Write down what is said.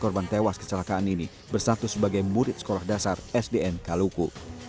korban tewas kecelakaan ini bersatu sebagai murid sekolah dasar sdn kaluku